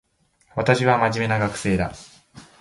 私は真面目な学生だ